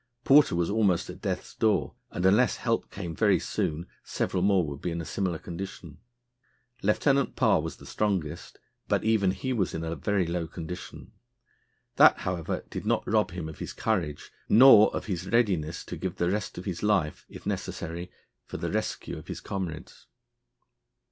Porter was almost at death's door, and unless help came very soon several more would be in a similar condition. Lieutenant Parr was the strongest, but even he was in a very low condition. That, however, did not rob him of his courage, nor of his readiness to give the rest of his life, if necessary, for the rescue of his comrades.